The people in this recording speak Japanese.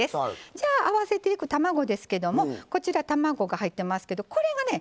じゃあ合わせていく卵ですけどもこちら卵が入ってますけどこれがね